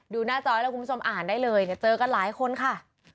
ดูหน้าจอยแล้วคุณผู้ชมอ่านได้เลยเจอกันหลายคนค่ะ